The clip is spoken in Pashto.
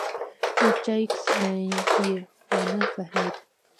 چاکېس یې و نه فهمېد.